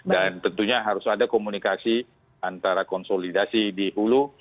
dan tentunya harus ada komunikasi antara konsolidasi di hulu